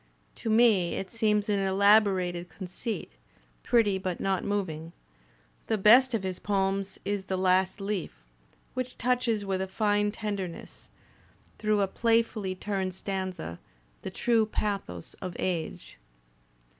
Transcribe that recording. To me it seems an elaborated conceit, pretty but not moving. The best of his poems is "The Last Leaf," which touches with a fine tenderness, through a playfully turned stanza, the true pathos of age.